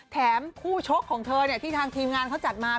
แถมคู่ชกของเธอที่ทางทีมงานเขาจัดมา